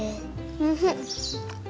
おいしい。